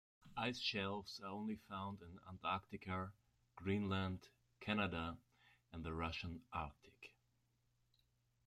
Ice shelves are only found in Antarctica, Greenland, Canada and the Russian Arctic.